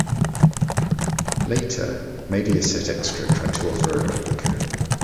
Later, Mediaset Extra tried to offer a replica.